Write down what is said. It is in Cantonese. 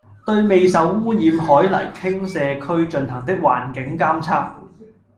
對未受污染海泥傾卸區進行的環境監測